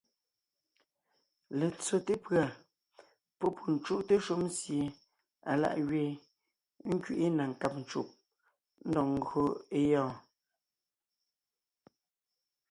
Letsóte pʉ̀a pɔ́ pû cúʼte shúm sie alá’ gẅeen, ńkẅiʼi na nkáb ncùb, ńdɔg ńgÿo é gyɔ́ɔn.